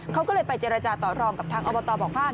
เขาก็เลยไปเจรจาต่อรองกับทางอบตบ่อบ้าน